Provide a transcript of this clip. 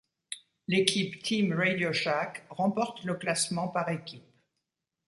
L'équipe Team RadioShack remporte le classement par équipes.